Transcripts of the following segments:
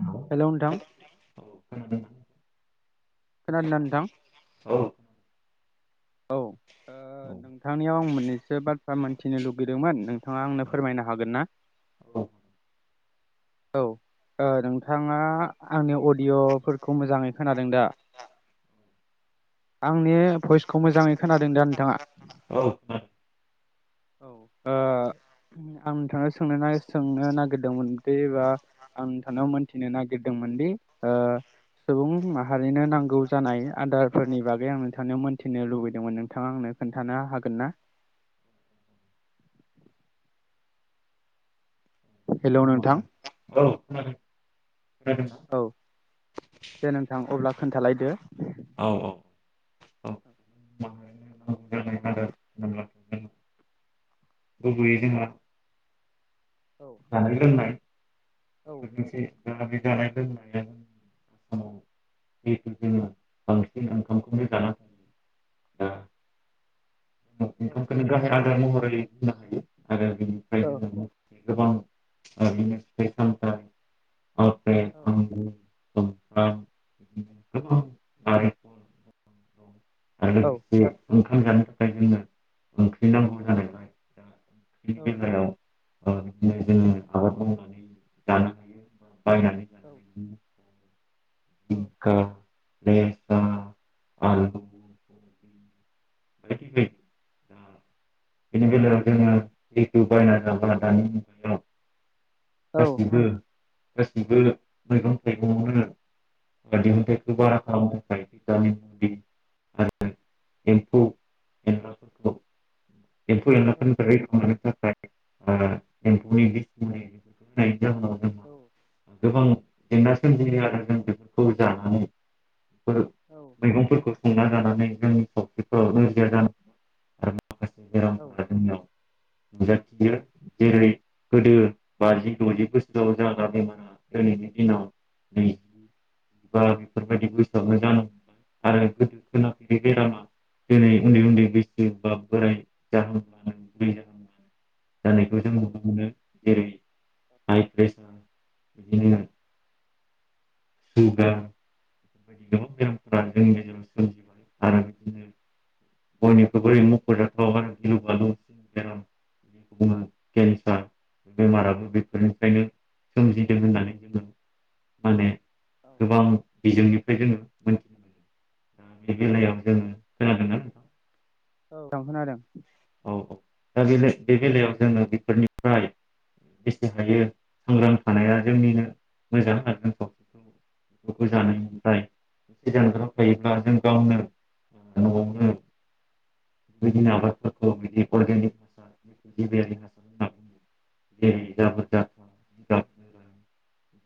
औ हेल' नोंथां खोनादोंना नोंथां औ औ औ औ नोंथांनियाव आं मोननैसो बाद थ्रा मिथिनो लुगैदोंमोन नोंथाङा आंनो खोनादों फोरमायनो हागोनना औ ओ नोंथाङा आंनि अडिअ'फोरखौ मोजाङै खोनादों दा आंनि भइस खौ मोजाङै खोनादों दा नोंथाङा औ औ खोनादों ओ आं नोंथांनाव सोंनो सोंनो नागिरदोंमोनदि बा आं नोंथांनाव मोन्थिनो नागिरदोंमोनदि ओ सुबुं माहारिनो नांगौ जानाय आदारफोरनि बागै आं नोंथांनियाव मिथिनो लुबैदोंमोन नोंथाङा आंनो खोन्थानो हागोन ना? हेल' खोनादोंना? नोंथां औ [unintelligible] दे नोंथां अब्ला खोन्थालायदो औ औ औ माहारिनो नांगौ जानाय आदार होनोब्लाथ' जोंहा गुबैयै जोंना औ जानाय लोंनाय [unintelligible] [unintelligible] आसामाव जिहेथु जोङो बांसिन ओंखामखौनो जाना थायो दा जोङो औ ओंखामखौनो गाहाय आदार महरै बुंनो हायो आरो बेनिफ्राय औ जोङो माखासे गोबां बिदिनो फिथाइ सामथाइ औ सुमफ्राम बिदिनो गोबां नारेंखल आरो औ लोगोसे ओंखाम जानो थाखाय जोंनो ओंख्रि नांगौ जानायलाय दा ओंख्रिनि औ बेलायाव ओ बिदिनो औ जोङो आबाद मावनानै जानो हायो बा बायनानै जानो औ हायो औ जिंखा लेस्रा आलु कबि बायदि बायदि दा बेनि बेलायाव जोङो [unintelligible] गासिबो गासिबो [unintelligible] जाय एम्फौ एनलाफोरखौ एम्फौ औ एनलाफोरनिफ्राय रैखा मोननो थाखाय ओ एम्फौनि बिस मुलि बेफोरखौ होनायनि जाहोनाव जोंहा औ गोबां जेंना सोमजियो आरो जों बेफोरखौ जानानै बेफोर औ मैगंफोरखौ संना जानानै जोंनि सावस्रिफोराव नोरजिया जानाय आरो माखासे औ बेरामफोरा जोंनियाव औ नुजाथियो जेरै गोदो बाजि द'जि बोसोराव जागा बेमारा दिनैनि दिनाव गोसोआवनो जानांगौ दिनै उन्दै उन्दै बैसो बा बोराय जाहांब्लानो बुरै जाहांब्लानो जानायखौ जों औ नुनो मोनो जेरै हाइ प्रेसार बिदिनो सुगार बेफोरबायदि गोबां बेरामफोरा औ जोंनि गेजेराव सोमजिबाय आरो बिदिनो बयनिख्रुइबो मख'जाथाव आरो गिलु बालुसिन बेराम बेखौ बुङो केन्सार बेमाराबो बेफोरनिफ्रायनो सोमजिदों होननानै जोङो माने औ गोबां बिजोंनिफ्राय जोङो मोनथिनो मोनो दा बे बेलायाव जोङो खोनादोंना नोंथां औ आं खोनादों औ औ दा बे बे बेलायाव जोङो बेफोरनिफ्राय बेसे हायो सांग्रां थानाया जोंनिनो मोजां आरो जों बेखौ जानायनिफ्राय एसे जानगाराव थायोब्ला जों गावनो न'आवनो बिदिनो आबादफोरखौ बिदि, अरगेनिक हासार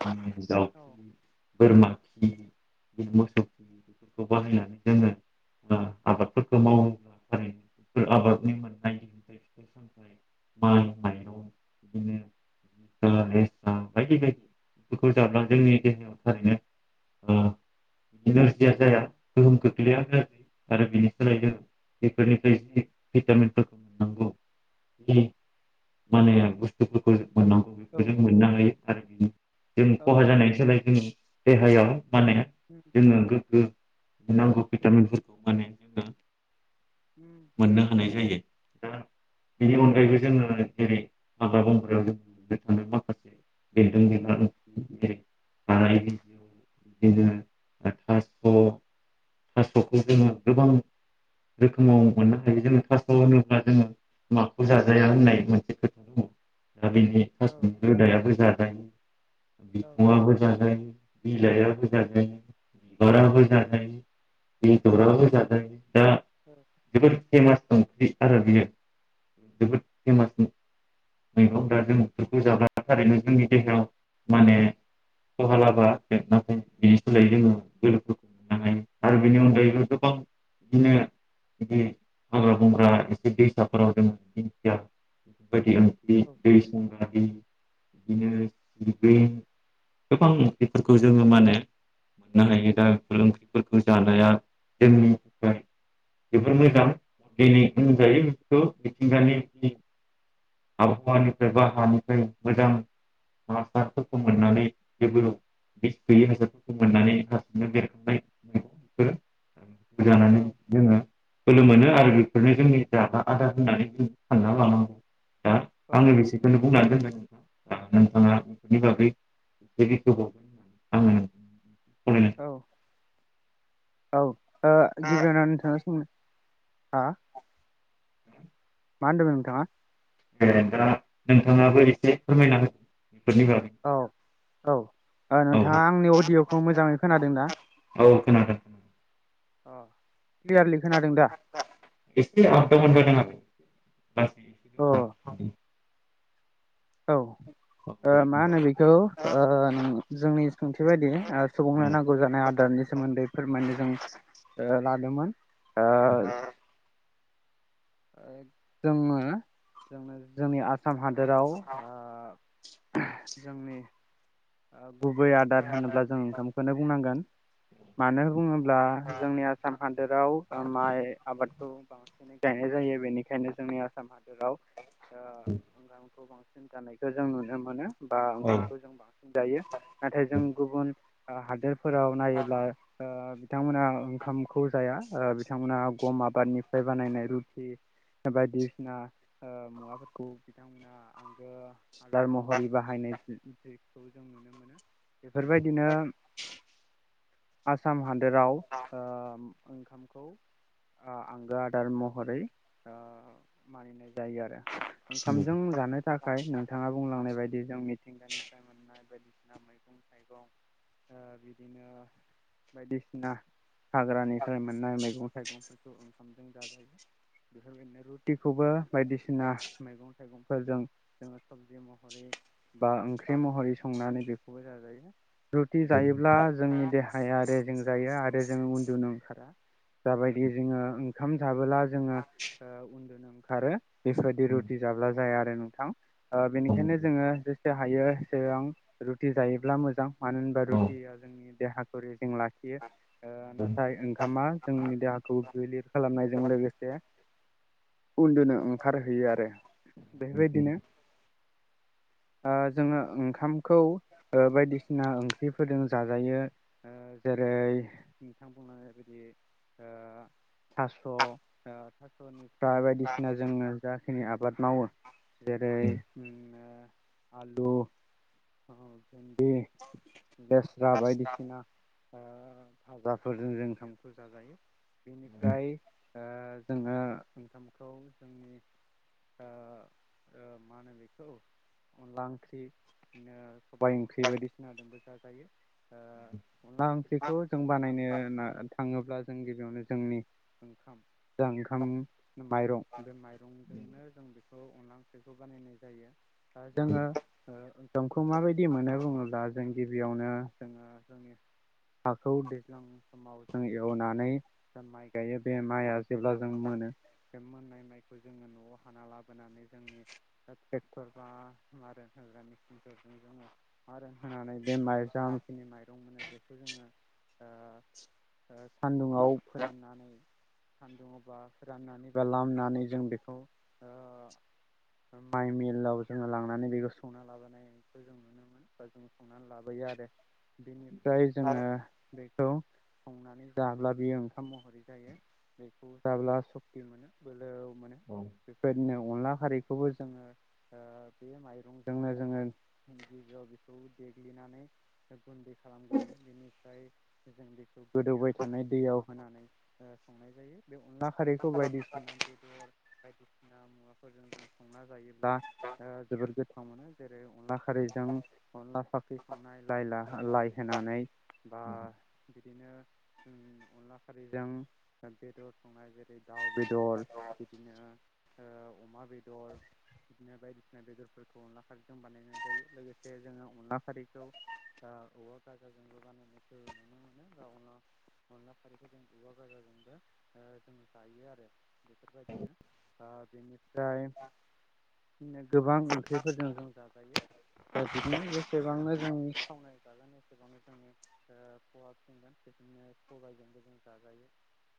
[unintelligible] दाउ बोरमा, [unintelligible] मोसौखौ बाहायनानै जोङो आबादफोरखौ मावोब्ला, थारैनो बेफोर आबादनि मोननाय दिहुनथाय फिथाइ सामथाइ माइ माइरं बिदिनो लेस्रा बायदि बायदि बेफोरखौ जब्ला जोंनि देहायाव थारैनो ओ नोरजिया जाया गोहोम खोख्लैजाया आरो बिनि सोलाय जों बेफोरनिफ्राय जि भिटामिनफोरखौ मोननांगौ जि माने बुस्थुफोरखौ, मोननांगौ बेखौ जों मोननो हायो आरो बि जों खहा जानायनि सोलाय जोङो, देहायाव, माने जोङो गोग्गो नांगौ भिटामिनफोरखौ माने [unintelligible] मोननो हानाय जायो। दा बेनि अनगायैबो जोङो जेरै हाग्रा बंग्रायाव जों [unintelligible] बेन्दों बिफां [unintelligible] हानाय बिजौ बिदिनो थास थासखौ जोङो गोबां रोखोमाव, मोननो हायो जोङो थास' होनोब्ला जोङो माखौ जाजाया होननाय मोनसे खोथा [unintelligible] दा बेनि थासनि रोदायाबो जाजा [unintelligible] बिफाङाबो जाजायो बिलाइआबो जायो बिबारा जाजायो बेदराबो जाजायो, दा औ जोबोद फेमास ओंख्रि आरो बियो [unintelligible] मैगंफ्रा जों बेफोरखौ जाबा थारैनो जोंनि देहायाव माने खहा लाबा नाथाय बिनि सोलायै जोङो बफोरखौ मोननो हायो आरो बेनि अनगायैबो गोबां बिदिनो बे हाग्रा बंग्रा एसे दैसाफोराव जोङो दिंखिया बेफोरबायदि ओं [unintelligible] बिदिनो बे गोबां ओंख्रिफोरखौ जोङो माने मोननो हायो, दा बेफोर ओंख्रिफोरखौ जानाया जोंनि थाखाय जोबोर मोजां दिनै बुंजायो बेफोरखौ मिथिंगानि आबहावानिफ्राय बा हानिफ्राय मोजां हासारफोरखौ मोननानै [unintelligible] जानानै जोङो बोलो मोनो आरो बेफोरनो जोंनि जाग्रा आदार होननानै जों सानना लानांगौ, दा आङो ओ बेसेखौनो बुंनानै दोनबाय नोंथाङा बेनि बागै एसे बेखेवबावगोन होननानै आङो, [unintelligible] औ ओ गिबियावनो नोंथाङा सोंनो हा, मा होनदों नोंथाङा? ए दा नोंथाङाबो एसे फोरमायना होदो बेफोरनि बागै। औ, औ। ओ औ नोंथाङा आंनि अडिय'खौ मोजाङै खोनादों ना? औ खोनादों खोनादों अ, ख्लियारलि एसे आप दाउन जादों आरो। अ [unintelligible] औ। ओ खोनादों मा एसे होनो बेखौ ओ नों जोंनि सोंथि बायदि ओ सुबुंनो नांगौ जानाय आदारनि सोमोन्दै फोरमायनो जों ओ लादोंमोन। ओ [unintelligible] ओ जोङो जोंनो जोंनि आसाम हा दोराव ओ जोंनि ओ गुबै आदार होनोब्ला जों ओंखामखौनो बुंनांगोन। मानो बुङोब्ला जोंनि आसाम हादोराव माइ आबादखौ बांसिनै गायनाय जायो बेनिखायनो जोंनि आसाम हादराव ओ ओंखामखौ बां सिन जानायखौ जों नुनो मोनो। बा ओंखामखौ जों बां जायो। नाथाय जों गुबुन ओ हादोरफोराव नायोब्ला ओ बिथांमोना ओंखामखौ जाया। ओ बिथांमोना गम आबादनिफ्राय बानायनाय रुति बायदिसिना ओ मुवाफोरखौ बिथांमोना आंगो आदार महरै बाहायनाय जे-जेखौ जों नुनो मोनो। बेफोरबायदिनो आसाम हा दोराव ओ ओंखामखौ आ आंगो आदार म हरै ओ मानिनाय जायो आरो। ओंखामजों जानो थाखाय नोंथाङा बुंलांनाय बाय दि जों मिथिंगानिफ्राय मोननाय बायदिसिना मैगं थाइगं ओ बिदिनो बायदिसिना हाग्रानिफ्राय मोननाय मैगं थाइगंफोरखौ ओंखामजों जाजायो। बेफोरबायदिनो रुटिखौबो बायदिसिना मैगं थाइगंफोरजों जोङो सबजि महरै बा ओंख्रि महरै संनानै बेखौबो जाजायो। रुटि जायोब्ला जोंनि देहाया रेजें जायो आरो जोङो उन्दुनो ओंखारा जाबायदि जोङो ओंखाम जाबोला जोङो ओ उन्दुनो ओंखारो बेफोरबायदि रुटि जाब्ला जाया आरो नोंथां। ओ बेनिखायनो जोङो जेसे हायो एसेबां रुटि जायोब्ला मोजां। मानो होनबा रुटिया जोंनि देहाखौ रेजें लाखियो। ओ नाथाय ओंखामा जोंनि देहाखौ गिलिर खालामनायजों लोगो से उन्दुनो ओंखारहोयो आरो। बेबायदिनो, ओ जोङो ओंखामखौ ओ बायदिसिना ओंख्रिफोरजों जाजायो। ओ जेरै नोंथां बुंलांनाय बायदि ओ थास' ओ थास' नि फ्राय बायदिसिना जोङो जाखिनि आबाद मावो जेरै उम ओ आलु ओ भिन्दि लेस्रा बायदिसिना फाजाफोरजों जों ओंखामखौ जाजायो बेनिफ्राय ओ जोङो ओंखामखौ जोंनि ओ ओ मा होनो बेखौ अनला ओंख्रि बिदिनो सबाइ ओंख्रि बायदिसिनाजोंबो जाजायो ओ अनला ओंख्रिखौ जों बानायनो ना थाङोब्ला जों गिबियावनो जोंनि ओंखाम दा ओंखाम माइरं बे माइरंजोंनो जों बे खौ अनला ओंख्रिखौ बानायनाय जायो। ओ जोङो ओ ओंखामखौ माबायदि मोनो बुङोब्ला जों गिबियावनो जोङो जोंनि हाखौ दैज्लां समाव जों एवनानै जों माइ गायो बे माइआ जेब्ला जों मोनो बे मोननाय माइखौ जोङो न'आव हाना लाबोनानै जोंनि टेक्टर बा मारा होग्रा मिचिनफोरजों जोङो मारा होनानै बे माइ जामखिनि माइरं मोनो बेखौ जोङो ओ ओ सान्दुङाव फोराननानै सानदुङाव बा फोराननानै बा लामनानै जों बेखौ ओ माइ मिलाव जोङो लांनानै बेखौ संना लाबोनायखौ जों नुनोमोन बा जों संनानै लाबोयो आरो बेनिफ्राय जोङो थौ संनानै जाब्ला बेयो ओंखाम महरै जायो। बेखौ जाब्ला सक्टि मोनो बोलो मोनो। बेबायदिनो अनला खारैखौबो जोङो बे ओ माइरंजोंनो जोङो गिबिआव बेखौ देग्लिनानै गुन्दै खालामग्रोयो बेनिफ्राय जों बेखौ गोदौबाय थानाय दैयाव होनानो ओ संनाय जायो। बे अनला खारैखौ बायदिसिना बेदर बायदिसिना मुवाफोरजों जों संना जायोबा ओ जोबोद गोथाव मोनो जेरै अनला खारैजों अनला फाख्रि संनाय लाइ लाहा लाइ होनानै बा बिदिनो ओं अनला खारैजों बेदर संनाय जेरै दाउ बेदर बिदिनो ओ अमा बेदर बिदिनो बायदिसिना बेदरफोरखौ अनला खारैजों बानायनाय जायो लोगोसे जोङो अनला खारैखौ ओ औवा गाजाजोंबो बानायनायखौ नुनो मोनो अन अनला खारिखौ जों औवा गाजों ओ जों जायो आरो बेफोरबायदिनो ओ बेनि दाय [unintelligible] गोबां ओंख्रिफोरजों जों जाजायो दा बिदिनो जेसेबांनो जों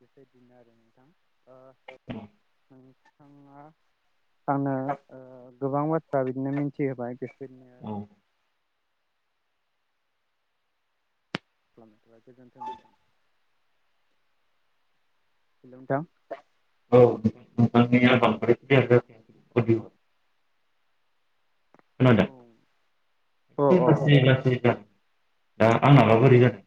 [inaudible] बेबायदिनो आरो नोंथां ओ औ नोंथाङा आंनो ओ गोबां बाथ्रा बिदिनो मिनथिहोबाय औ खालामथबाय गोजोन्थों नोंथां। नोंथां औ [unintelligible] खोनादों अ अ ओ [unintelligible] दा आंनाबा बोरै जादों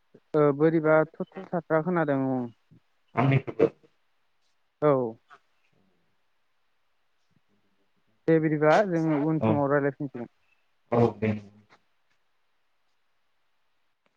[inaudible] औ बोरैबा थ' थ' था था खोनादों [unintelligible] [unintelligible] औ दे बिदिबा जोङो उन समाव रायज्लायफिनसिगोन अके